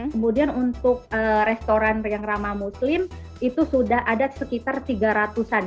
kemudian untuk restoran yang ramah muslim itu sudah ada sekitar tiga ratus an